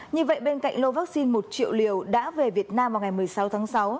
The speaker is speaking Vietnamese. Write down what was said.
như vậy bên cạnh lô vaccine một triệu liều đã về việt nam vào ngày một mươi sáu tháng sáu